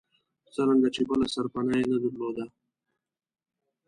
څرنګه چې بله سرپناه یې نه درلوده.